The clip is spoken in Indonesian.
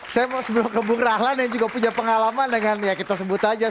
saya mau sebelum ke bung rahlan yang juga punya pengalaman dengan ya kita sebut aja